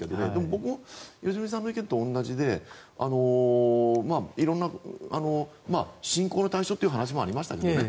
僕も良純さんの意見と同じで信仰の対象という話もありましたけどね。